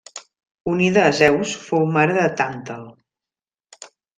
Unida a Zeus, fou mare de Tàntal.